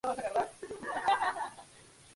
Posteriormente fue nombrado en honor del descubridor.